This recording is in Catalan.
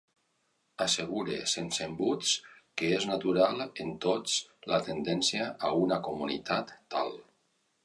Assegure sense embuts que és natural en tots la tendència a una comunitat tal.